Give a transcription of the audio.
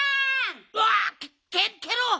うわっケッケロ。